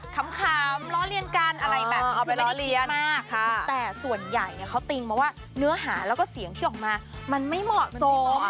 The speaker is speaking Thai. เขาติ้งเพราะว่าเนื้อหาแล้วก็เสียงที่ออกมามันไม่เหมาะสม